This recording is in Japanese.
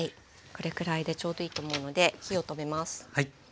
これくらいでちょうどいいと思うので火を止めます。